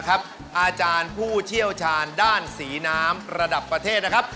อาจารย์ผู้เชี่ยวชาญด้านสีน้ำระดับประเทศนะครับ